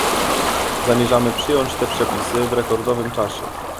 Zamierzamy przyjąć te przepisy w rekordowym czasie